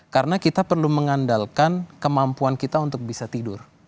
karena kita perlu mengandalkan kemampuan kita untuk bisa tidur